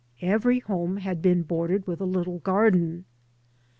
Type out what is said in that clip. Every home had been bor dered with a little garden.